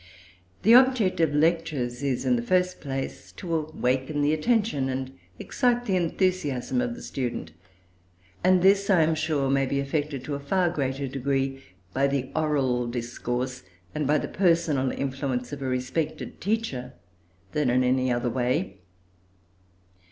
The object of lectures is, in the first place, to awaken the attention and excite the enthusiasm of the student; and this, I am sure, may be effected to a far greater extent by the oral discourse and by the personal influence of a respected teacher than in any other way.